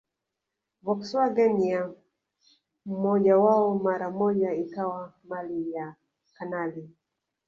Volkswagen ya mmoja wao mara moja ikawa mali ya kanali